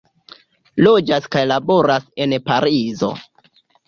Loĝas kaj laboras en Parizo.